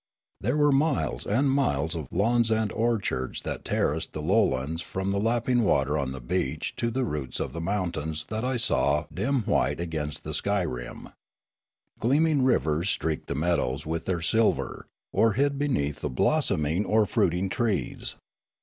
There were miles and miles of lawns and orchards that terraced the lowlands from the lapping water on the beach to the roots of the mountains that I saw dim white against the sky rim. Gleaming rivers streaked the meadows with their silver, or hid beneath the blossoming or fruit ing trees.